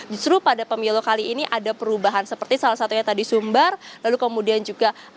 justru pada pemilu kali ini ada perubahan seperti salah satunya tadi sumbar lalu kemudian juga